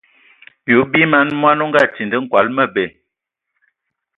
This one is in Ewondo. Ye o bie man mɔn, o nga tindi nkol a məbɛ.